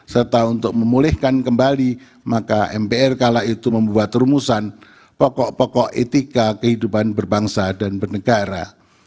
serta untuk memulihkan kembali maka mpr kala itu membuat rumusan pokok pokok etika kehidupan berbangsa dan bernegara